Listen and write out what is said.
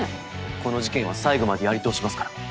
この事件は最後までやり通しますから。